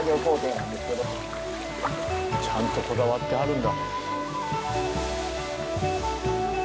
ちゃんとこだわってはるんだ。